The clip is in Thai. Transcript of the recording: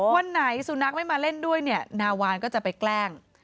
วันไหนสุนัขไม่มาเล่นด้วยเนี่ยนาวานก็จะไปแกล้ง